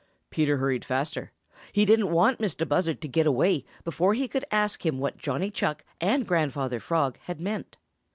Peter hurried faster. He didn't want Mistah Buzzard to get away before he could ask him what Johnny Chuck and Grandfather Frog had meant.